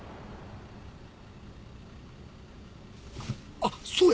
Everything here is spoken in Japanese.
あっそうや。